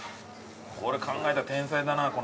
これ考えた天才だな